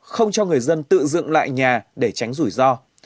không cho người dân tự dựng lại nhà để tránh rủi ro